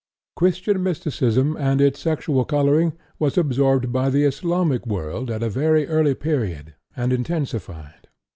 Christian mysticism and its sexual coloring was absorbed by the Islamic world at a very early period and intensified.